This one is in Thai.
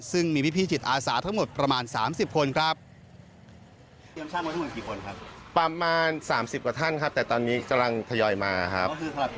ซึ่งมีพิทธิ์สิทธิ์อาศาทั้งหมดประมาณ๓๐คนครับ